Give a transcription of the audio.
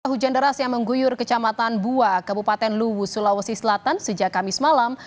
hujan deras yang mengguyur kecamatan bua kabupaten luwu sulawesi selatan sejak kamis malam